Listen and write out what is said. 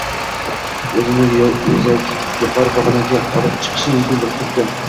o‘z-o‘zini yuqori pog‘onaga olib chiqishi mumkin bo‘lib turibdi.